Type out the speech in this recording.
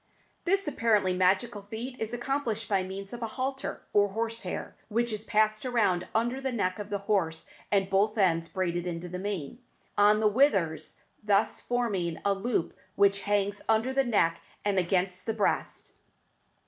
This apparently magical feat is accomplished by means of a halter of horse hair, which is passed round under the neck of the horse and both ends braided into the mane, on the withers, thus forming a loop which hangs under the neck and against the breast.